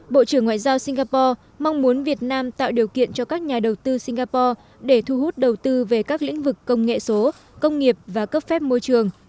bộ trưởng ngoại giao singapore mong muốn việt nam tạo điều kiện cho các nhà đầu tư singapore để thu hút đầu tư về các lĩnh vực công nghệ số công nghiệp và cấp phép môi trường